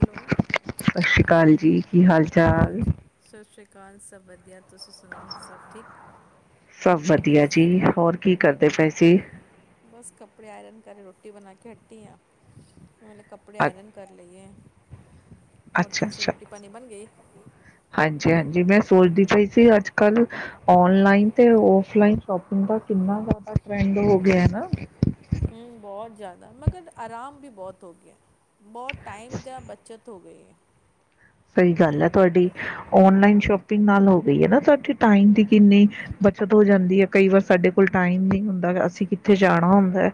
Hello ਸਤਿ ਸ਼੍ਰੀ ਅਕਾਲ ਜੀ। ਕੀ ਹਾਲ ਚਾਲ? ਘਰ ਸਭ ਵਧੀਆ। ਤੁਸੀਂ ਸੁਣਾਓ ਸਭ ਠੀਕ ਸਭ ਵਧੀਆ ਜੀ, ਹੋਰ ਕੀ ਕਰਦੇ ਪਏ ਸੀ। ਬਸ ਕੱਪੜੇ ਆਇਰਨ ਕਰ, ਰੋਟੀ ਬਨਾ ਕੇ ਹਟੀ ਆ। ਮਲਬ, ਕੱਪੜੇ ਅ ਆਇਰਨ ਕਰ ਲਈਏ। ਹੋਰ ਅੱਛਾ ਤੁਸੀਂ, ਅੱਛਾ ਰੋਟੀ-ਪਾਨੀ ਬਨ ਗਈ? ਜੀ, ਹਾਂਜੀ, ਮੈਂ ਸੋਚਦੀ ਪਈ ਸੀ ਅੱਜ-ਕੱਲ ਓਨਲਾਈਨ ਤੇ ਓਫਲਾਈਨ ਸ਼ੋਪਿੰਗ ਦਾ ਕਿੰਨਾ ਜਾਦਾ ਟ੍ਰੈਂਡ ਹੋ ਗਿਆ ਨਾ। ਹੂੰ, ਬੋਤ ਜਾਦਾ। ਮਗਰ ਆਰਾਮ ਵੀ ਬਹੁਤ ਹੋ ਗਿਆ। ਬੋਤ ਟਾਈਮ ਦਾ ਬੱਚਤ ਹੋ ਗਈ ਹੈ। ਸਹੀ ਗੱਲ ਐ ਤੁਆਡੀ। ਓਨਲਾਈਨ ਸ਼ੋਪਿੰਗ ਨਾਲ ਹੋ ਗਈ ਹੈ ਨਾ, ਸਾਡੀ ਟਾਈਮ ਦੀ ਕਿੰਨੀ ਬੱਚਤ ਹੋ ਜਾਂਦੀ ਐ। ਕਈ ਵਾਰ ਸਾਡੇ ਕੋਲ ਟਾਈਮ ਨਹੀਂ ਹੁੰਦਾ ਅਸੀ ਕਿੱਥੇ ਹੁਣ ਜਾਣਾ ਹੁੰਦਾ।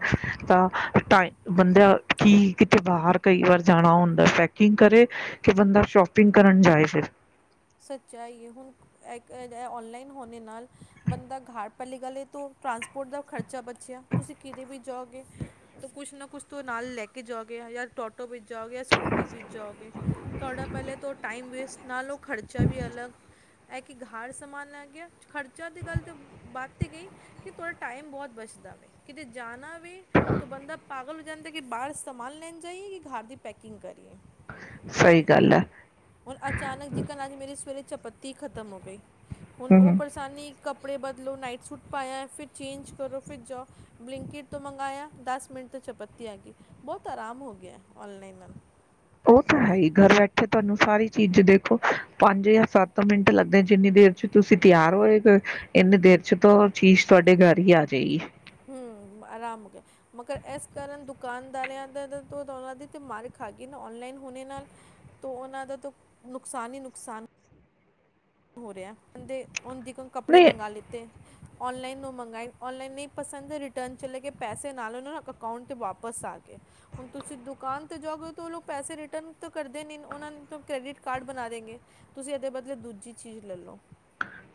ਤਾ ਟਾਈ ਬੰਦਾ, ਕੀ ਕਿਤੇ ਬਾਹਰ ਕਈ ਵਾਰ ਜਾਣਾ ਹੁੰਦਾ। ਪੈਕਿੰਗ ਕਰੇ ਕਿ ਬੰਦਾ ਸ਼ੋਪ ਪਿੰਗ ਕਰਨ ਜਾਏ ਫਿਰ। ਸੱਚਾਈ ਏ ਹੁਨ, ਅ ਕ ਏ ਔਨਲਾਈਨ ਹੋਨੇ ਨਾਲ ਬੰਦਾ ਘਰ, ਪੈਲੀ ਗੱਲਏ ਤੋਂ ਟਰਾਂਸਪੋਰਟ ਦਾ ਖਰਚਾ ਬਚਿਆ, ਤੁਸੀ ਕਿਦੇ ਵਿੱਚ ਜਾਓਗੇ ਤਾਂ ਕੁਛ ਨਾ ਕੁਛ ਤੋਂ ਨਾਲ ਲੈ ਕੇ ਜਾਓਗੇ ਯਾ ਆਟੋ ਵਿੱਚ ਜਾਓਗੇ ਯਾ ਸਕੂਟੀ ਵਿੱਚ ਜਾਓਗੇ, ਤੁਆਡਾ ਪਹਿਲੇ ਤੋਂ ਟਾਈਮ ਵੇਸਟ ਨਾਲੋ ਖਰਚਾ ਵੀ ਅਲੱਗ ਏ ਕਿ ਘਾਰ ਸਮਾਨ ਲੈ ਗੇਆ। ਖਰਚਾ ਦੀ ਗੱਲ ਤੇ ਬਾਦ ਤੇ ਗਈ ਕਿ ਤੁਹਾਡਾ ਟਾਈਮ ਬਹੁਤ ਬਚਦਾ ਵੇ। ਕਿਤੇ ਜਾਨਾ ਵੀ ਤੋ ਬੰਦਾ ਪਾਗਲ ਹੋ ਜਾਂਦਾ ਕਿ ਬਾਰ ਸਮਾਨ ਲੈਨ ਜਾਈਏ ਕਿ ਘਾਰ ਦੀ ਪੈਕਿੰਗ ਕਰੀਏ। ਸਹੀ ਗੱਲ ਐ। ਸਵੇਰੇ, ਸਵੇਰੇ ਚਪੱਤੀ ਖਤਮ ਹੋ ਗਈ। ਹੁਨ ਹੂੰ ਓ ਹੂੰ। ਪਰੇਸਾਨੀ ਇੱਕ ਕਪ ਕੱਪੜੇ ਬਦਲੋ ਨਾਈਟ ਸੂਟ ਪਾਇਆ ਫਿਰ ਚੇਂਜ ਕਰੋ ਫਿਰ ਜਾਓ, ਬਲਿੰਕਿਟ ਤੋਂ ਮੰਗਾਇਆ ਦਸ ਮਿੰਟ ਤੋਂ ਚਪੱਤੀ ਆ ਗਈ ਬਹੁਤ ਆਰਾਮ ਹੋ ਗਿਆ ਔਨਲਾਈਨ ਨਾਲ। ਉਹ ਤਾਂ ਹੈ ਹੀ ਘਰ ਬੈਠੇ ਤੁਹਾਨੂੰ ਸਾਰੀ ਚੀਜ਼ ਦੇ ਪੰਜ ਜਾਂ ਸੱਤ ਮਿੰਟ ਲੱਗਦੇ ਜਿੰਨੀ ਦੇਰ ਚ ਤੁਸੀਂ ਤਿਆਰ ਹੋਏ, ਇੰਨੀ ਦੇਰ ਚ ਤਾਂ ਉਹ ਚੀਜ਼ ਤੁਹਾਡੇ ਘਰ ਹੀ ਆ ਜਾਏਗੀ। ਹ ਆਰਾਮ ਹੋ ਗਿਆ ਮਗਰ ਇਸ ਕਾਰਨ ਦੁਕਾਨਦਾਰਿਆਂ ਦਾ ਤਾਂ [unintelligible] ਉਨ੍ਹਾਂ ਦੀ ਤਾਂ ਮਾਰ ਖਾ ਗਈ ਨਾ, ਔਨਲਾਈਨ ਹੋਣੇ ਨਾਲ, ਉਹਨਾਂ ਦਾ ਤਾਂ ਨੁਕਸਾਨ ਹੀ ਨੁਕਸਾਨ ਹੋ ਰਿਹਾ। ਬੰਦੇ ਹੁਣ ਦੇਖੋ ਕੱਪੜੇ ਨਹੀਂ ਮੰਗਾ ਲਿੱਤੇ। ਔਨਲਾਈਨ ਉਹ ਮੰਗਾਏ ਔਨਲਾਈਨ ਨਹੀਂ ਪਸੰਦ ਰਿਟਰਨ ਚਲੇ ਗਏ। ਪੈਸੇ ਨਾਲੋਂ-ਨਾਲ ਅਕਾਊਂਟ ਤੋਂ ਵਾਪਸ ਆ ਗਏ। ਹੁਣ ਤੁਸੀਂ ਦੁਕਾਨ ਤੇ ਜਾਓਗੇ ਤੋਂ ਉਹ ਲੋਕ ਪੈਸੇ ਰਿਟਰਨ ਤਾਂ ਕਰਦੇ ਨੀ ਉਹਨਾਂ ਨੇ ਤੋਂ ਕ੍ਰੇਡਿਟ ਕਾਰਡ ਬਣਾ ਦੇਗੇ। ਤੁਸੀਂ ਇਹਦੇ ਬਦਲੇ ਦੂਜੀ ਚੀਜ਼ ਲਲੋ।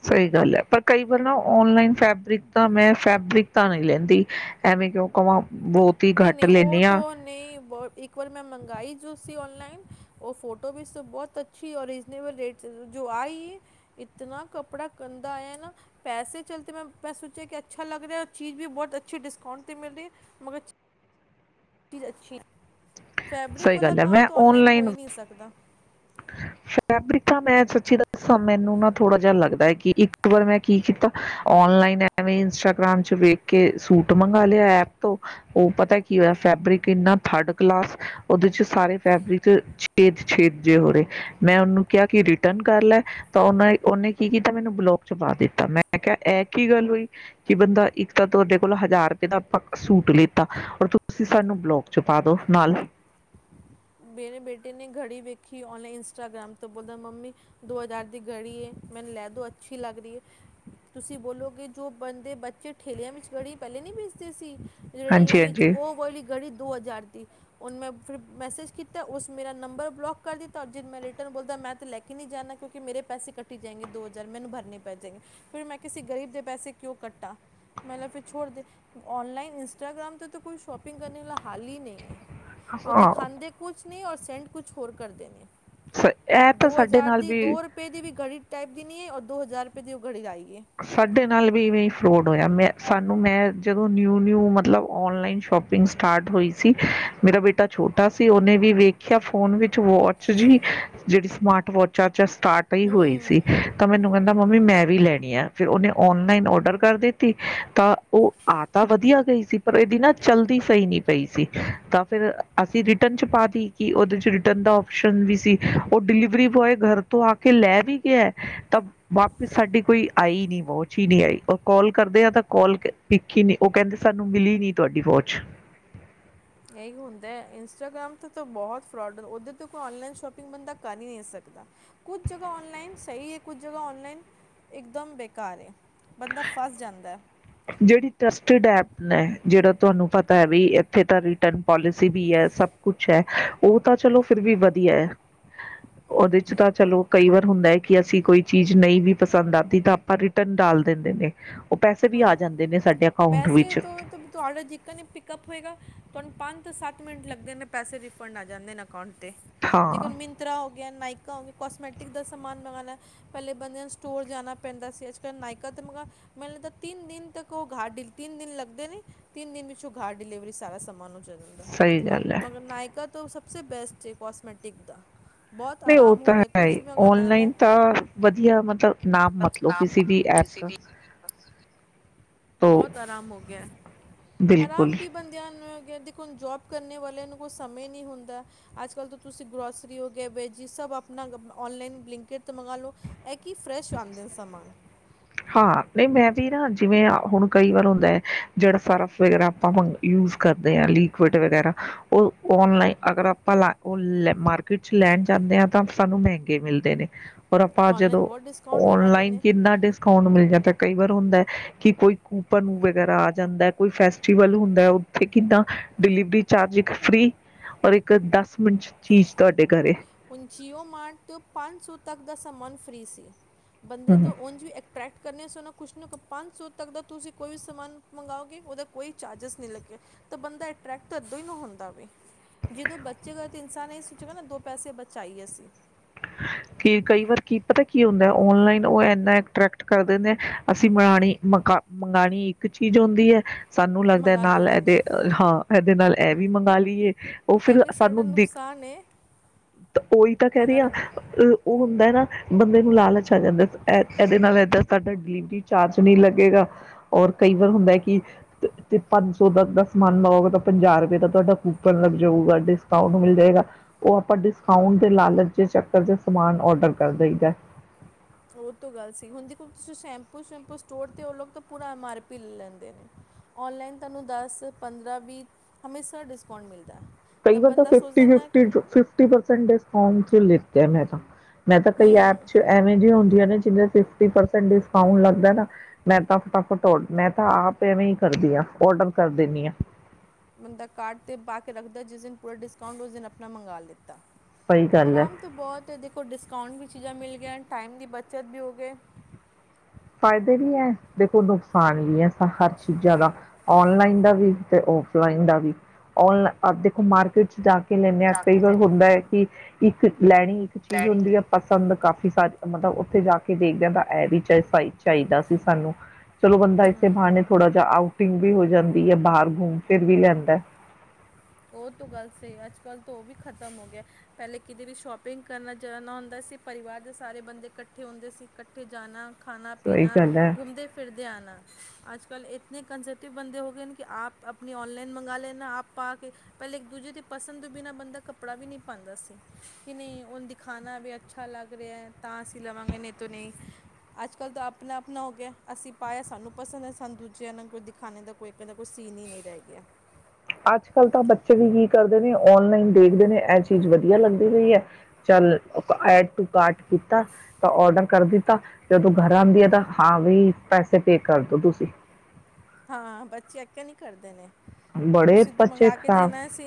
ਸਹੀ ਗੱਲ ਹੈ ਪਰ ਕਈ ਵਾਰ ਨਾ ਔਨਲਾਈਨ ਫੈਬਰਿਕ ਤਾਂ ਮੈਂ ਫੈਬਰਿਕ ਤਾਂ ਨਹੀਂ ਲੈਂਦੀ ਐਵੇਂ ਕਿਉਂ ਕਵਾਂ। ਬਹੁਤ ਹੀ ਘੱਟ ਨਹੀਂ-ਨਹੀਂ ਉਹ ਲੈਂਦੀ ਹਾਂ ਤੋ ਨਹੀਂ ਬੋ ਇੱਕ ਵਾਰ ਮੈਂ ਮੰਗਾਈ ਜੋ ਸੀ ਔਨਲਾਈਨ, ਉਹ ਫੋਟੋ ਵੀ ਸੀ ਬਹੁਤ ਅੱਛੀ ਔਰ ਰੀਜਨੇਬਲ ਰੇਟ ਚ ਜੋ ਆਈ ਇਤਨਾ ਕਪੜਾ ਗੰਦਾ ਆਇਆ ਨਾ ਪੈਸੇ ਚਲ ਤੇ ਮੈਂ ਸੋਚਿਆ ਕਿ ਅੱਛਾ ਲੱਗ ਰਿਹਾ ਚੀਜ਼ ਵੀ ਬਹੁਤ ਅੱਛੀ ਡਿਸਕਾਊਂਟ ਤੇ ਮਿਲ ਰਹੀ ਏ ਮਗਰ ਚੀਜ਼ ਅੱਛੀ ਹੈ। ਫੈਬਰਿਕ ਸਹੀ ਵਾਲਾ ਗੱਲ ਹੈ ਕੰਮ ਮੈਂ ਤਾਂ ਔਨਲਾਈਨ ਹੋ ਹੀ ਨਹੀਂ ਸਕਦਾ। ਫੈਬਰਿਕ ਤਾਂ ਮੈਂ ਸੱਚੀ ਦੱਸਾਂ ਮੈਨੂੰ ਨਾ ਥੋੜਾ ਜਿਹਾ ਲੱਗਦਾ ਕਿ ਇੱਕ ਵਾਰ ਮੈਂ ਕੀ ਕੀਤਾ ਔਨਲਾਈਨ ਐਵੇਂ ਇੰਸਟਾਗ੍ਰਾਮ ਚ ਵੇਖ ਕੇ ਸੂਟ ਮੰਗਾ ਲਿਆ ਐਪ ਤੋਂ ਉਹ ਪਤਾ ਕੀ ਹੋਇਆ ਫੈਬਰਿਕ ਇੰਨਾ ਥਰਡ ਕਲਾਸ ਉਹਦੇ ਚ ਸਾਰੇ ਫੈਬਰਿਕ ਛੇਦ ਛੇਦ ਜੇ ਹੋ ਰਹੇ ਮੈਂ ਉਹਨੂੰ ਕਿਹਾ ਕਿ ਰਿਟਰਨ ਕਰ ਲੈ ਤਾਂ ਓਨੇ-ਓਨੇ ਕੀ ਕੀਤਾ ਮੈਨੂੰ ਬਲੋਕ ਚ ਪਾ ਦਿੱਤਾ ਮੈਂ ਕਿਹਾ ਇਹ ਕੀ ਗੱਲ ਹੋਈ ਕਿ ਬੰਦਾ ਇੱਕ ਤਾਂ ਤੁਹਾਡੇ ਕੋਲ ਹਜ਼ਾਰ ਰੁਪਏ ਦਾ ਆਪਾਂ ਸੂਟ ਲੀਤਾ ਤੁਸੀਂ ਸਾਨੂੰ ਬਲੋਕ ਚ ਪਾ ਦੋ ਨਾਲ। ਮੇਰੇ ਬੇਟੇ ਨੇ ਘੜੀ ਵੇਖੀ ਔਨਲਾਈਨ ਇੰਸਟਾਗ੍ਰਾਮ ਤੋਂ ਬੋਲਦਾ ਮੰਮੀ ਦੋ ਹਜ਼ਾਰ ਦੀ ਘੜੀ ਏ ਮੈਨੂੰ ਲੈ ਦੋ ਅੱਛੀ ਲੱਗ ਰਹੀ ਹੈ। ਤੁਸੀਂ ਬੋਲੋ ਗੇ ਜੋ ਬੰਦੇ ਬੱਚੇ ਠੇਲਿਆਂ ਵਿੱਚ ਘੜੀ ਪਹਿਲੇ ਨਹੀਂ ਵੇਚਦੇ ਸੀ। ਰੇਡੀੜੀਆਂ ਹਾਂਜੀ ਵਿੱਚ ਹਾਂਜੀ ਉਹ ਵਾਲੀ ਘੜੀ ਦੋ ਹਜ਼ਾਰ ਦੀ ਹੁਣ ਮੈੰ ਫਿਰ ਮੈਸੇਜ ਕੀਤਾ ਉਸ ਮੇਰਾ ਨੰਬਰ ਬਲੋਕ ਕਰ ਦਿੱਤਾ ਔਰ ਜਦ ਮੈਂ ਰਿਟਰਨ ਬੋਲਦਾ ਮੈਂ ਤਾਂ ਲੈ ਕੇ ਨਹੀਂ ਜਾਂਨਾ ਕਿਉਂਕਿ ਮੇਰੇ ਪੈਸੇ ਕੱਟੀ ਜਾਏੰਗੇ ਦੋ ਹਜ਼ਾਰ ਮੈਨੂੰ ਭਰਨੇ ਪੈ ਜਾਏਗੇ ਫਿਰ ਮੈਂ ਕਿਸੇ ਗਰੀਬ ਦੇ ਪੈਸੇ ਕਿਉਂ ਕੱਟਾਂ ਮਤਲਬ ਫਿਰ ਛੋੜ ਦੇ ਔਨਲਾਈਨ ਇੰਸਟਾਗ੍ਰਾਮ ਤੇ ਤਾਂ ਕੋਈ ਸ਼ੋਪਿੰਗ ਕਰਨ ਵਾਲਾ ਹਾਲ ਹੀ ਨਹੀਂ ਹੈ। ਉਹ ਹਾਂ ਦਿਖਾਉੰਦੇ ਕੁਛ ਨੇ ਔਰ ਸੈਂਡ ਕੁਛ ਹੋਰ ਕਰਦੇ ਨੇ। ਸ ਇਹ ਤਾਂ ਦੋ ਸਾਡੇ ਹਜ਼ਾਰ ਨਾਲ ਦੀ ਵੀ ਦੋ ਰੁਪਏ ਦੀ ਵੀ ਘੜੀ ਟਾਈਪ ਦੀ ਨੀ ਹੈ ਔਰ ਦੋ ਹਜ਼ਾਰ ਰੁਪਏ ਦੀ ਉਹ ਘੜੀ ਆਈ। ਹੈ ਸਾਡੇ ਨਾਲ ਵੀ ਇਵੇਂ ਈ ਫਰੋਡ ਹੋਇਆ ਮੈਂ ਸਾਨੂੰ ਮੈਂ ਜਦੋਂ ਨਿਊ-ਨਿਊ ਮਤਲਬ ਔਨਲਾਈਨ ਸ਼ੋਪਿੰਗ ਸਟਾਰਟ ਹੋਈ ਸੀ ਮੇਰਾ ਬੇਟਾ ਛੋਟਾ ਸੀ ਉਹਨੇ ਵੀ ਵੇਖਿਆ ਫੋਨ ਵਿੱਚ ਵਾਚ ਜੀ ਜਿਹੜੀ ਸਮਾਰਟ ਵਾਚਾਂ ਸਟਾਰਟ ਹੀ ਹੋਈ ਹੂੰ ਸੀ ਤਾਂ ਮੈਨੂੰ ਕਹਿੰਦਾ ਮੰਮੀ ਮੈਂ ਵੀ ਲੈਣੀਆਂ। ਫਿਰ ਉਹਨੇ ਔਨਲਾਈਨ ਔਰਡਰ ਕਰ ਦਿੱਤੀ ਤਾਂ ਉਹ ਆ ਤਾਂ ਵਧੀਆ ਗਈ ਸੀ ਪਰ ਇਹਦੀ ਨਾ ਚਲਦੀ ਸਹੀ ਨਹੀਂ ਪਈ ਸੀ ਤਾਂ ਫਿਰ ਅਸੀਂ ਰਿਟਰਨ ਚ ਪਾ ਤੀ ਉਹਦੇ ਚ ਰਿਟਰਨ ਦਾ ਓਪਸ਼ਨ ਵੀ ਸੀ ਉਹ ਡਿਲੀਵਰੀ ਬੋਆਏ ਘਰ ਤੋਂ ਆ ਕੇ ਲੈ ਵੀ ਗਿਆ ਤਾਂ ਵਾਪਿਸ ਸਾਡੀ ਕੋਈ ਆਈ ਨੀ ਵੋਚ ਹੀ ਨਹੀਂ ਆਈ ਕੌਲ ਕਰਦੇ ਆ ਤਾਂ ਕੋਲ ਪਿੱਖ ਹੀ ਨਹੀਂ ਉਹ ਕਹਿੰਦੇ ਸਾਨੂੰ ਮਿਲੀ ਨੀ ਤੁਹਾਡੀ ਵੋਚ। ਇਹੀ ਹੁੰਦਾ ਇੰਸਟਾਗ੍ਰਾਮ ਤੋਂ ਤਾਂ ਬਹੁਤ ਫਰੋਡ ਉਹਦੇ ਤੋਂ ਕੋਈ ਔਨਲਾਈਨ ਸ਼ੋਪਿੰਗ ਬੰਦਾ ਕਰ ਹੀ ਨਹੀਂ ਸਕਦਾ ਕੁੱਝ ਜਗ੍ਹਾ ਔਨਲਾਈਨ ਸਹੀ ਹੈ ਕੁੱਝ ਜਗ੍ਹਾ ਔਨਲਾਈਨ ਇਕਦਮ ਬੇਕਾਰ ਏ ਬੰਦਾ ਫਸ ਜਾਂਦਾ। ਜਿਹੜੀ ਟੈਸਟਡ ਐਪ ਨੇ ਜਿਹੜਾ ਤੁਹਾਨੂੰ ਪਤਾ ਵੀ ਇਥੇ ਤਾਂ ਰਿਟਰਨ ਪੋਲਿਸੀ ਵੀ ਹੈ ਸਭ ਕੁਛ ਹੈ ਉਹ ਤਾਂ ਚਲੋ ਫਿਰ ਵੀ ਵਧੀਆ ਹੈ ਉਹਦੇ ਚ ਤਾਂ ਹੁਣ ਚਲੋ ਕਈ ਵਾਰ ਹੁੰਦਾ ਕਿ ਅਸੀਂ ਕੋਈ ਚੀਜ਼ ਨਹੀਂ ਵੀ ਪਸੰਦ ਆਂਦੀ ਤਾਂ ਆਪਾਂ ਰਿਟਰਨ ਡਾਲ ਦਿੰਦੇ ਨੇ ਉ ਹਮ ਪੈਸੇ ਤੋਂ ਤੁਹਾਡਾ ਜੇਕਰ ਨਾ ਪਿਕਅਪ ਨਾ ਹੋਏਗਾ ਤੁਹਾਨੂੰ ਪੰਜ ਤੋਂ ਸੱਤ ਮਿੰਟ ਲੱਗਦੇ ਨੇ ਪੈਸੇ ਰਿਫੰਡ ਆ ਜਾਂਦੇ ਨੇ ਅਕਾਊਂਟ ਤੇ ਜੇਕਰ ਹਾਂ ਮਿੰਤਰਾ ਹੋ ਗਿਆ ਨਾਇਕਾ ਹੋ ਗਿਆ ਕੌਸਮੈਟਿਕ ਦਾ ਸਮਾਨ ਮੰਗਾਨਾ ਪਹਿਲੇ ਬੰਦਿਆਂ ਨੂੰ ਸਟੋਰ ਜਾਣਾ ਪੈਂਦਾ ਸੀ ਅੱਜ ਕੱਲ੍ਹ ਨਾਇਕਾ ਤੇ ਮੰਗਾਉ ਮੈਨੂੰ ਲੱਗਦਾ ਤਿੰਨ ਦਿਨ ਤੱਕ ਉਹ ਘਰ ਡਲੀ ਤਿੰਨ ਦਿਨ ਲਗਦੇ ਨੇ ਤਿੰਨ ਦਿਨ ਵਿੱਚ ਘਰ ਓ ਡਿਲੀਵਰੀ ਸਾਰਾ ਸਮਾਨ ਸਹੀ ਗੱਲ ਹੈ ਮਗਰ ਨਾਇਕਾ ਤਾਂ ਓਂ ਸਭ ਸੇ ਬੈਸਟ ਐ ਕੌਸਮੈਟਿਕ ਦਾ ਨਹੀਂ ਉਹ ਤਾਂ ਹੈ ਈ ਔਨਲਾਈਨ ਤਾਂ ਵਧੀਆ ਮਤਲਬ ਨਾਮ ਮਤ ਲਉ ਕਿਸੇ ਵੀ ਐਪ ਕਾ ਬਹੁਤ ਆਰਾਮ ਹੋ ਗਿਆ ਬਿਲਕੁਲ, ਆਰਾਮ ਵੀ ਬੰਦਿਆਂ ਨ ਦੇਖੁ ਹੁਣ ਜੋਬ ਕਰਨੇ ਵਾਲਿਆਂ ਨੂੰ ਕੋਈ ਸਮੇਂ ਨਹੀਂ ਹੁੰਦਾ ਅੱਜ ਕੱਲ ਤਾਂ ਤੁਸੀਂ ਗਰੋਸਰੀ ਹੋ ਗਿਆ ਵੈਜੀ ਸਭ ਆਪਣਾ ਔਨਲਾਈਨ ਬਲਿੰਕਟ ਤੋਂ ਮੰਗਾ ਲਓ। ਇਹ ਕਿ ਫਰੈਸ਼ ਆਂਦੇ ਨੇ ਸਮਾਨ ਏ ਨਾ ਜਿਵੇ ਹੁਣ ਕਈ ਵਾਰ ਹੁੰਦਾ ਐ ਜਿਹੜਾ ਸਰਫ ਵਗੈਰਾ ਆਪਾਂ ਹੁਣ ਯੂਜ ਕਰਦੇ ਆ ਲਿਕਵਡ ਵਗੈਰਾ ਉਹ ਔਨਲਾਈਨ ਅਗਰ ਆਪਾਂ ਮਾਰਕਿਟ ਚ ਲੈਣ ਜਾਂਦੇ ਆ ਤਾਂ ਸਾਨੂੰ ਮਹਿੰਗੇ ਮਿਲਦੇ ਨੇ ਔਰ ਇਹ ਆਪਾਂ ਆਨਲਾਈਨ ਜਦੋਂ ਬਹੁਤ ਡਿਸਕਾਊਂਟ ਲਗਾ ਰਹੇ ਔਨਲਾਈਨ ਨੇ ਕਿੰਨਾ ਡਿਸਕਾਊਂਟ ਮਿਲ ਜਾ ਤਾ ਕਈ ਵਾਰ ਹੁੰਦਾ ਐ ਕਿ ਕੋਈ ਕੂਪਨ ਵਗੈਰਾ ਆ ਜਾਂਦਾ ਕੋਈ ਫੈਸਟਿਵਲ ਹੁੰਦਾ ਉਥੇ ਕਿੰਨਾ ਡਿਲੀਵਰੀ ਚਾਰਜ ਇੱਕ ਫਰੀ ਓਰ ਇੱਕ ਦਸ ਮਿੰਟ ਚ ਚੀਜ਼ ਤੁਹਾਡੇ ਘਰੇ ਹੁਣ ਜੀਉ ਮਾਰਟ ਤੋ ਪੰਜ ਸੋ ਤਕ ਦਾ ਸਮ ਸਮਨ ਫ੍ਰੀ ਸੀ। ਬੰਦੇ ਹੂੰ। ਤੋਂ ਉਝ ਵੀ ਅਟਰ੍ਰੈਕਟ ਕਰਨੇ ਸ ਕੁਛ ਨ ਪੰਜ ਸੌ ਤੱਕ ਦਾ ਤੁਸੀਂ ਕੋਈ ਵੀ ਸਮਾਨ ਮੰਗਾਓਗੇ ਉਹਦਾ ਕੋਈ ਚਾਰਜਿਸ ਨਹੀਂ ਲੱਗਿਆ ਤਾਂ ਬੰਦਾ ਅਟਰੈਕਟ ਤਦੋਂ ਹੀ ਤਾ ਹੁੰਦਾ ਵੇ ਜਦੋਂ ਬਚੇਗਾ ਤਾਂ ਇਨਸਾਨ ਇਹ ਸੋਚੇਗਾ ਨਾ ਦੋ ਪੈਸੇ ਬਚਾਈਏ ਅਸੀਂ ਕੀ ਕਈ ਵਾਰ ਕੀ ਪਤਾ ਕੀ ਹੁੰਦਾ ਓਨਲਾਈਨ ਉਹ ਇਨਾ ਅਟਰੈਕਟ ਕਰ ਦਿੰਦੇ ਅਸੀਂ ਮਨਾਣੀ ਮਕਾ ਮੰਗਾਣੀ ਇੱਕ ਚੀਜ਼ ਹੁੰਦੀ ਐ ਸਾਨੂੰ ਲੱਗਦਾ ਮੰਗਾ ਦੋ ਨਾਲ ਲੈਨੇ ਆ ਇਹਦੇ ਹਾਂ ਇਹਦੇ ਨਾਲ ਇਹ ਵੀ ਮੰਗਾ ਲਈਏ ਉਹ ਇਹ ਫਿਰ ਵੀ ਸਾਡਾ ਸਾਨੂੰ ਦਿਖ ਨੁਕਸਾਨ ਹੈ ਤ ਉਹੀ ਤਾਂ ਕਹਿ ਰਹੀ ਮਗਰ ਆ ਅ ਉਹ ਹੁੰਦਾ ਐ ਨਾ ਬੰਦੇ ਨੂੰ ਲਾਲਚ ਆ ਜਾਂਦਾ ਐ ਏਹ ਇਹਦੇ ਨਾਲ ਏਦਾ ਸਾਡਾ ਡਿਲੀਵਰੀ ਚਾਰਜ ਨਈ ਲੱਗੇਗਾ ਔਰ ਕਈ ਵਾਰ ਹੁੰਦਾ ਐ ਕਿ ਪੰਜ ਸੌ ਦ ਦੱਸ ਮੰਨ ਲਓ ਤਾਂ ਪੰਜਾਹ ਰੁਪਏ ਦਾ ਤੁਹਾਡਾ ਕੂਪਨ ਲੱਗ ਜਊਗਾ ਡਿਸਕਾਊਂਟ ਮਿਲ ਜਾਏਗਾ ਉਹ ਆਪਾਂ ਡਿਸਕਾਊਂਟ ਦੇ ਲਾਲਚ ਇਸ ਚੱਕਰ ਚ ਸਮਾਨ ਔਡਰ ਕਰ ਦੇਈਦਾ ਉਹ ਤੋਂ ਗੱਲ ਸੀ ਹੁਣ ਦੇਖੋ ਤੁਸੀਂ ਸ਼ੈਂਪੂ ਸ਼ੂਪੁ ਸਟੋਰ ਤੇ ਉਹ ਲੋਕ ਤਾਂ ਪੂਰਾ ਐਮ ਆਰ ਪੀ ਲੈਂਦੇ ਨੇ ਓਨਲਾਈਨ ਤੁਹਾਨੂੰ ਦਸ ਪੰਦਰਾਂ ਵੀ ਹਮੇਸ਼ਾ ਡਿਸਕਾਂਟ ਮਿਲਦਾ ਹੈ। ਕਈ ਵਾਰ ਤਾਂ ਬੰਦਾ ਸੋਚਦਾ ਨਾ ਫਿਫਟੀ-ਫਿਫਟੀ, ਕਿ ਫਿਫਟੀ ਪਰਸੈਂਟ ਡਿਸਕਾਊਂਟ ਤੇ ਲਿੱਤੇ ਮੈਂ ਤਾ, ਮੈਂ ਤਾਂ ਕਈ ਐਪ ਹੂੰ ਚ ਐਵੇਂ ਜੀਆ ਹੁੰਦੀਆਂ ਨੇ ਜਿਵੇਂ ਫਿਫਟੀ ਪਰਸੈਂਟ ਡਿਸਕਾਉਂਟ ਲੱਗਦੈ ਐ ਨਾ ਮੈ ਤਾਂ ਫਟਾਫਟ ਓਡ ਮੈਂ ਤਾਂ ਆਪ ਐਵੇਂ ਈ ਕਰਦੀ ਆ ਔਡਰ ਕਰ ਦਿਨੀ ਆ ਬੰਦਾ ਕਾਰਡ ਤੇ ਪਾ ਕੇ ਰੱਖਦਾ ਜਿਸ ਦਿਨ ਪੂਰਾ ਡਿਸਕਾਊਂਟ ਉਸ ਦਿਨ ਆਪਣਾ ਮੰਗ ਲੇ ਸਹੀ ਗੱਲ ਐ ਆਰਾਮ ਤੋਂ ਬਹੁਤ ਐ ਦੇਖੋ ਡਿਸਕਾਊਂਟ ਵੀ ਚੀਜ਼ਾਂ ਮਿਲ ਗਈਆਂ ਟਾਈਮ ਦੀ ਬੱਚਤ ਵੀ ਹੋਗੇ ਫਾਇਦੇ ਵੀ ਐ ਦੇਖੋ ਨੁਕਸਾਨ ਵੀ ਐ ਹਰ ਚੀਜ਼ਾਂ ਦਾ ਔਨਲਾਈਨ ਦਾ ਵੀ ਤੇ ਔਫਲਾਈਨ ਦਾ ਵੀ ਔਨਲਾ ਦੇਖੋ ਅਸੀ ਮਾਰਕੀਟ ਚ ਜਾ ਕੇ ਸੀ ਲੈਣੇ ਆ ਕਈ ਵਾਰ ਹੁੰਦਾ ਐ ਕਿ ਇੱਕ ਲੈਣੀ ਇੱਕ ਚੀਜ਼ ਹੁੰਦੀ ਏ ਪਸੰਦ ਕਾਫੀ ਸਾਰੀ ਮਤਲਬ ਉੱਥੇ ਜਾ ਕੇ ਦੇਖਦਿਆਂ ਤਾਂ ਇਹ ਵੀ ਚ ਚਾਈ, ਚਾਈਦਾ ਸੀ ਸਾਨੂੰ ਚਲੋ ਬੰਦਾ ਇਸੇ ਹੂੰ ਬਹਾਣੇ ਥੋੜਾ ਜਿਹਾ ਆਊਟ ਟਿੰਗ ਵੀ ਹੋ ਜਾਂਦੀ ਐ ਬਾਹਰ ਘੁੰਮ ਫਿਰ ਵੀ ਲੈਂਦਾ ਉਹ ਤੋਂ ਗੱਲ ਸਹੀ ਅੱਜ ਕੱਲ੍ਹ ਤਾਂ ਉਹ ਵੀ ਖ਼ਤਮ ਹੋ ਗਿਆ ਪਹਿਲੇ ਕਿਤੇ ਵੀ ਸ਼ੋਪਿੰਗ ਕਰਨਾ ਜਾ ਨਾ ਹੁੰਦਾ ਸੀ ਪਰਿਵਾਰ ਦੇ ਸਾਰੇ ਬੰਦੇ ਕੱਠੇ ਹੁੰਦੇ ਸੀ ਕੱਠੇ ਜਾਣਾ ਖਾਣਾ ਸਹੀ ਪੀਣਾ ਗੱਲ ਹੈ ਘੁੰਮਦੇ ਫਿਰਦੇ ਆਉਣਾ ਅੱਜ ਕੱਲ ਇਤੇ ਕੰਸਰਟਿਵ ਬੰਦੇ ਹੋ ਗੇਨ ਕਿ ਆਪਣੀ ਔਨਲਾਈਨ ਮੰਗਗਾ ਲੈਣਾ ਆਪ ਪਾਸ ਪਹਿਲੇ ਇੱਕ ਦੂਜੇ ਦੀ ਪਸੰਦ ਬਿਨਾਂ ਬੰਦਾ ਕੱਪੜਾ ਵੀ ਨਹੀਂ ਪਾਉਂਦਾ ਸੀ ਕਿ ਨਹੀਂ ਉਹਨੂੰ ਦਿਖਾਨਾ ਵੇ ਅੱਛਾ ਲੱਗ ਰਿਹਾ ਤਾਂ ਅਸੀਂ ਲਵਾਂਗੇ ਨਹੀਂ ਤੋਂ ਨਹੀਂ ਅੱਜ ਕੱਲ੍ਹ ਤਾਂ ਆਪਣਾ ਆਪਣਾ ਹੋ ਗਿਆ ਅਸੀਂ ਪਾਇਆ ਸਾਨੂੰ ਪਸੰਦ ਹੈ ਸਾਨੂੰ ਦੂਜਿਆਂ ਨਾਲ ਕੋਈ ਦਿਖਾਣੇ ਦਾ ਕੋਈ ਕਿੰ ਦਾ ਕੋਈ ਸੀਨ ਹੀ ਨਹੀਂ ਰਹਿ ਗਿਆ ਅੱਜ ਕੱਲ ਤਾਂ ਬੱਚੇ ਵੀ ਕੀ ਕਰਦੇ ਨੇ ਓਨਲਾਈਨ ਦੇਖਦੇ ਨੇ ਇਹ ਚੀਜ਼ ਵਧੀਆ ਲੱਗਦੀ ਪਈ ਐ ਚੱਲ ਐਡ ਟੂ ਕਾਰਟ ਕੀਤਾ ਤਾਂ ਓਡਰ ਕਰ ਦਿੱਤਾ ਜਦੋਂ ਘਰ ਆਉਂਦੀ ਆ ਤਾਂ ਹਾਂ ਵੀ ਪੈਸੇ ਪੇ ਕਰਦੋ ਤੁਸੀਂ ਹਾਂ ਬੱਚੇ ਇੱਕੇ ਨੀ ਕਰਦੇ ਨੇ ਬੜੇ ਤੁਸੀਂਤੋ ਬੱਚੇ ਮੰਗਾ ਕੇ ਖ਼ਰਾਬ ਦੇਣਾ ਸੀ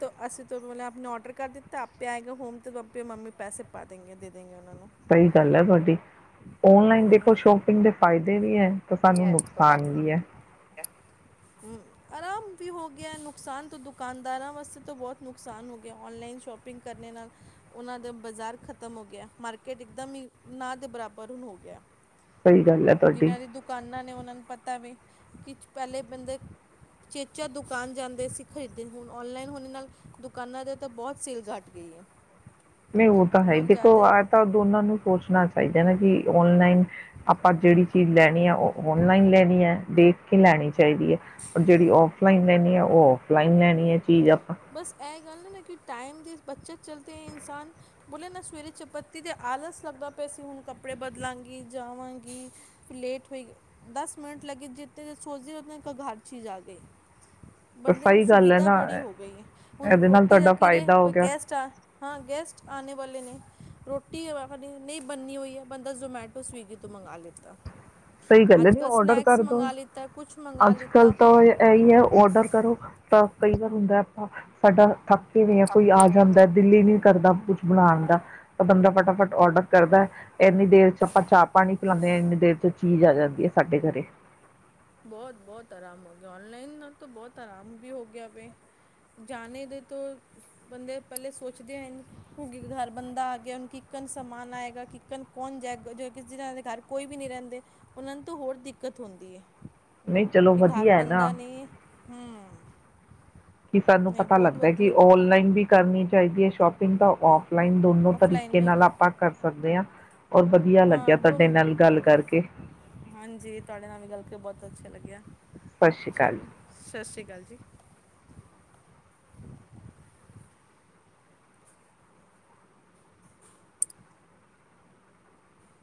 ਤੋ ਅਸੀਂ ਤੋਂ ਮਤਲਬ ਆਪਣੇ ਔਡਰ ਕਰ ਦਿੱਤਾ ਆਪੇ ਆਏਗਾ ਹੋਮ ਤੇੇ ਆਪੇ ਮੰਮੀ ਪੈਸੇ ਪਾ ਦੇਂਗੇ ਦੇ ਦਿੰਗੇ ਉਹਨਾਂ ਨੂੰ ਸਹੀ ਗੱਲ ਹੈ ਤੁਹਾਡੀ ਔਨਲਾਈਨ ਦੇਖੋ ਸ਼ੋਪਿੰਗ ਦੇ ਫਾਇਦੇ ਵੀ ਹੈ ਤਾਂ ਸਾਨੂੰ ਨੁਕਸਾਨ ਵੀ ਹੈ ਹਮ ਆਰਾਮ ਵੀ ਹੋ ਗਿਆ ਨੁਕਸਾਨ ਤੋਂ ਦੁਕਾਨਦਾਰਾਂ ਵਾਸਤੇ ਤਾਂ ਬਹੁਤ ਨੁਕਸਾਨ ਹੋ ਗਿਆ ਨਲਾਈਨ ਸ਼ੋਪਿੰਗ ਕਰਨੇ ਨਾਲ ਉਹਨਾਂ ਦਾ ਬਾਜ਼ਾਰ ਖਤਮ ਹੋ ਗਿਆ ਮਾਰਕੀਟ ਇੱਕਦਮ ਈ ਨਾ ਦੇ ਬਰਾਬਰ ਹੁਣ ਹੋ ਗਿਆ ਗਿਆ ਸਹੀ ਗੱਲ ਹੈ ਤੁਹਾਡੀ। ਦੁਕਾਨਾਂ ਨੇ ਉਹਨਾਂ ਪਤਾ ਵੇ ਕਿ ਪਹਿਲੇ ਬੰਦੇ ਚੇਚਾ ਦੁਕਾਨ ਜਾਂਦੇ ਸੀ ਖਰੀਦਨ, ਹੁਣ ਨਲਾਈਨ ਹੋਣ ਨਾਲ ਦੁਕਾਨਾਂ ਦੇ ਤਾਂ ਬਹੁਤ ਸੇਲ ਘੱਟ ਗਈ ਏ। ਨਹੀਂ ਉਹ ਤਾਂ ਹੈ। ਦੇਖੋ ਏਹ ਤਾਂ ਦੋਨਾਂ ਨੂੰ ਸੋਚਣਾ ਚਾਹੀਦਾ। ਏ ਹੈ ਕਿ ਔਨਲਾਈਨ ਆਪਾਂ ਜਿਹੜੀ ਚੀਜ਼ ਲੈਣੀ ਹੈ, ਉਹ ਔਨਲਾਈਨ ਲੈਣੀ ਹੈ, ਦੇਖ ਕੇ ਲੈਣੀ ਚਾਹੀਦੀ ਹੈ, ਔਰ ਜਿਹੜੀ ਔਫ ਲਾਈਨ ਲੈਣੀ ਆ ਉਹ ਔਫ--ਲਾਈਨ ਲੈਣੀ ਆ ਚੀਜ਼ ਆਪ ਬਸ ਇਹ ਗੱਲ ਨਾ ਕਿ ਟਾਈਮ ਦੀ ਬੱਚਤ ਚੱਲਦੇ ਇਨਸਾਨ ਬੋਲੇ ਨਾ, ਸਵੇਰੇ ਚਪੱਤੀ ਦੇ ਆਲਸ ਲੱਗਦਾ ਪਏ ਕਿ ਅਸੀਂ ਹੁਣ ਕੱਪੜੇ ਬਦਲਾਂਗੀ ਜਾਵਾਂਗੀ, ਲੇਟ ਹੋਈ। ਦਸ ਮਿੰਟ ਲੱਗਦੇ ਜਿੱਨੇ ਚਿਰ ਸੋਚਦੇ ਉਨੇ ਚ ਘਰ ਚੀਜ਼ ਆ ਗਈ ਤਾਂ ਸਹੀ ਗੱਲ ਹੈ ਨਾ ਈ ਹੁਣ ਇਹਦੇ ਨਾਲ ਰੋਟੀ ਦਾ ਤੁਹਾਡਾ ਕਿ ਰੇ, ਫਾਇਦਾ ਹੋ ਕੋਈ ਗਿਆ ਗੈਸਟ ਆ ਗੈਸਟ ਆਣੇ ਵਾਲੇ ਨੇ ਰੋਟੀ ਨਹੀਂ ਬੰਨੀ ਹੋਈ ਹੈ ਬੰਦਾ ਜ਼ਮੈਟੋ, ਸਵੀਗੀ ਤੋਂ ਮੰਗਵਾ ਲੈਂਦਾ। ਸਹੀ ਗੱਲ ਹੈ। ਨਹੀ ਔਡਰ ਕਰ ਦੋ। ਅੱਜ ਕੱਲ ਤਾਂ ਇਹੀ ਹੈ, ਔਡਰ ਕਰੋ ਤਾਂ ਸਈ ਗੱਲ ਹੁੰਦਾ ਆਪਾਂ, ਸਾਡਾ ਥੱਕ ਕਿਵੇਂ ਆ ਕੋਈ ਆ ਜਾਂਦਾ ਦਿੱਲ ਨੀ ਕਰਦਾ ਕੁੱਝ ਬਣਾਉਣ ਦਾ ਤਾਂ ਬੰਦਾ ਫਟਾਫਟ ਔਡਰ ਕਰਦਾ, ਇੰਨੀ ਦੇਰ ਚ ਆਪਾਂ ਚਾਹ ਪਾਣੀ ਪਿਲਾਉਂਦੇ ਹਾਂ, ਇੰਨੀ ਦੇਰ ਚ ਚੀਜ਼ ਆ ਜਾਂਦੀ ਹੈ ਸਾਡੇ ਘਰੇ। ਬਹੁਤ ਬਹੁਤ ਆਰਾਮ ਹੋ ਗਿਆ, ਔ ਨਲਾਈਨ ਨਾਲ ਬਹੁਤ ਆਰਾਮ ਵੀ ਹੋ ਗਿਆ ਵੇ ਜਾਣੇ ਦੇ ਤੋ ਬੰਦੇ ਪਹਿਲੇ ਸੋਚਦੇ ਹਨ ਘਰ ਬੰਦਾ ਆ ਗਿਆ ਹੈ। ਹੁਣ ਕਿਕਨ ਸਮਾਨ ਆਏਗਾ, ਕਿਕਨ ਕੌਣ ਜਾਏਗਾ ਕਿਸੇ ਦੇ ਘਰ ਕੋਈ ਵੀ ਨਹੀਂ ਰਹਿੰਦੇ ਉਹਨਾਂ ਨੂੰ ਤਾਂ ਹੋਰ ਦਿੱਕਤ ਹੁੰਦੀ ਹੈ। ਨਹੀਂ ਚਲੋ ਕਿ ਘਰ ਵਧੀਆ ਹੈ ਬੰਦਾ ਨਾ ਨਹੀਂ ਹੈ। ਹੂੰ। ਕਿ ਸਾਨੂੰ ਨਹੀਂ ਪਤਾ ਬਹੁਤ ਲੱਗਦਾ ਕਿ ਵਧੀਆ ਔਨਲਾਈਨ ਵੀ ਕਰਨੀ ਚਾਹੀਦੀ ਹੈ ਸ਼ੋਪਿੰਗ ਤਾਂ ਔਫ ਲਾਈਨ ਦੋਨੋ ਆਫਲਾਈਨ ਤਰੀਕੇ ਵੀ ਨਾਲ ਆਪਾਂ ਕਰ ਸਕਦੇ ਹਾਂ। ਔਰ ਵਧੀਆ ਹਾਂ ਲੱਗਿਆ ਤੁਹਾਡੇ ਦੋਨੋ। ਨਾਲ ਗੱਲ ਕਰਕੇ ਹਾਂਜੀ, ਤੁਹਾਡੇ ਨਾਲ ਵੀ ਗਲ ਕੇ ਬਹੁਤ ਅੱਛਾ ਲੱਗਿਆ। ਸਤਿ ਸ਼੍ਰੀ ਅਕਾਲ ਚਲੋ, ਸਤਿ ਸ੍ਰੀ ਅਕਾਲ ਜੀ।